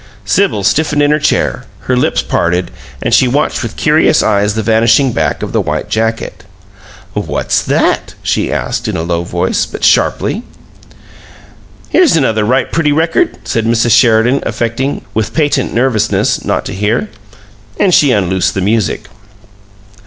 Sibyl stiffened in her chair; her lips parted, and she watched with curious eyes the vanishing back of the white jacket. "What's that?" she asked, in a low voice, but sharply. "Here's another right pretty record," said Mrs. Sheridan, affecting with patent nervousness not to hear. And she unloosed the music.